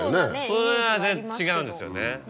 それは違うんですよね。